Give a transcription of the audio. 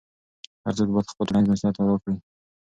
هر څوک باید خپل ټولنیز مسؤلیت ادا کړي.